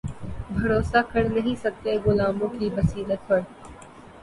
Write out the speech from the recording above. بھروسا کر نہیں سکتے غلاموں کی بصیرت پر